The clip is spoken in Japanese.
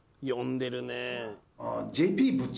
「読んでるね」